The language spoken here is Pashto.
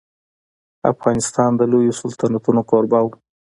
افغانستان د لويو سلطنتونو کوربه و.